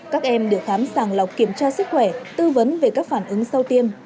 các em được khám sàng lọc kiểm tra sức khỏe tư vấn về các phản ứng sau tiêm